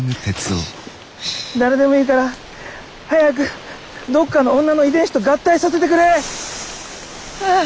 誰でもいいから早くどっかの女の遺伝子と合体させてくれあぁ